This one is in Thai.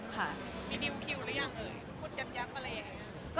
มันเป็นปัญหาจัดการอะไรครับ